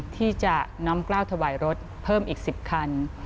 ที่จะน้อมกล้าวถวายรถเพิ่มอีก๑๐คัน